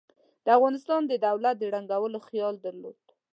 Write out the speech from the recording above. د افغانستان د دولت د ړنګولو خیال درلود.